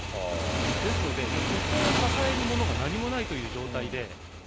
ですので、ここを支えるものが何もないという状態で。